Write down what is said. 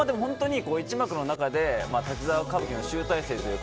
一幕の中で「滝沢歌舞伎」の集大成というか